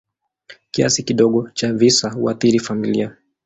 Kiasi kidogo cha visa huathiri familia.